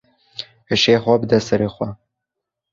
Hişê xwe bide serê xwe.